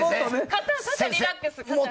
肩、リラックス。